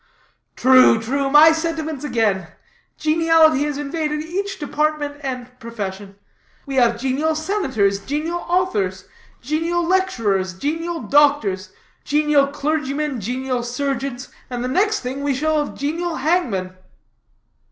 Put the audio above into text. "True, true; my sentiments again. Geniality has invaded each department and profession. We have genial senators, genial authors, genial lecturers, genial doctors, genial clergymen, genial surgeons, and the next thing we shall have genial hangmen."